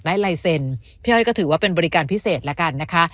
ลายเซ็นต์พี่อ้อยก็ถือว่าเป็นบริการพิเศษแล้วกันนะคะ